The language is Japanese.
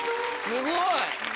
すごい！